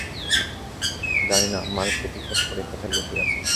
জানি না, মার পেটিকোট পরে কোথায় লুকিয়ে আছে!